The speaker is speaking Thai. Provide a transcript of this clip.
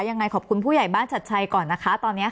ยังไงขอบคุณผู้ใหญ่บ้านชัดชัยก่อนนะคะตอนนี้